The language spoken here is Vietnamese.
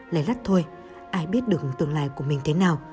lấy lắt thôi ai biết đường tương lai của mình thế nào